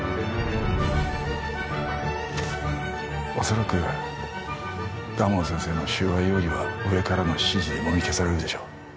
恐らく蒲生先生の収賄容疑は上からの指示でもみ消されるでしょう☎